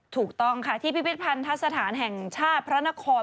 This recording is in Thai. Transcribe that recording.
ถูกต้องค่ะที่พิพิธภัณฑสถานแห่งชาติพระนคร